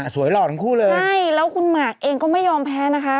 หล่อทั้งคู่เลยใช่แล้วคุณหมากเองก็ไม่ยอมแพ้นะคะ